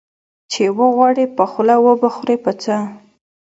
ـ چې وغواړې په خوله وبه خورې په څه.